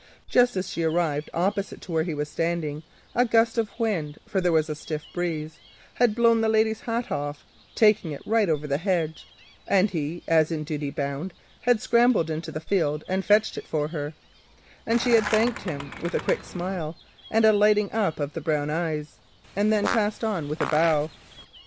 Just as she came opposite to where he was standing, a gust of wind, for there was a stiff breeze, blew the lady's hat off, taking it over the hedge, and he, as in duty bound, scrambled into the field and fetched it for her, and she had thanked him with a quick smile and a lighting up of the brown eyes, and then passed on with a bow.